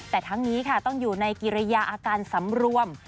แต่ทั้งนี้ค่ะต้องอยู่ในกิริยาอาการสำรวม